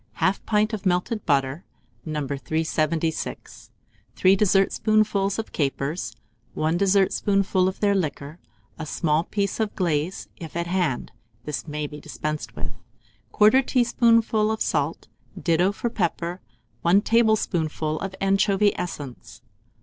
1/2 pint of melted butter No. 376, 3 dessertspoonfuls of capers, 1 dessertspoonful of their liquor, a small piece of glaze, if at hand (this may be dispensed with), 1/4 teaspoonful of salt, ditto of pepper, 1 tablespoonful of anchovy essence.